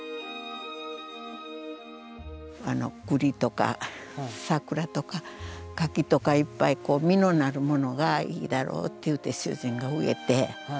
栗とか桜とか柿とかいっぱい実のなるものがいいだろうって言うて主人が植えて。